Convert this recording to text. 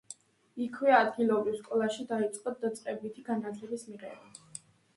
იქვე, ადგილობრივ სკოლაში დაიწყო დაწყებითი განათლების მიღება.